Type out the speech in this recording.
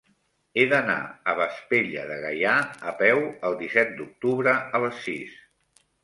He d'anar a Vespella de Gaià a peu el disset d'octubre a les sis.